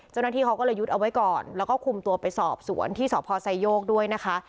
เจ้าหน้าที่เขาก็เลยยึดเอาไว้ก่อนแล้วก็คุมตัวไปสอบสวนที่สพไซโยกด้วยนะคะ